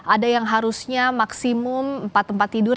ada yang harusnya maksimum empat tempat tidur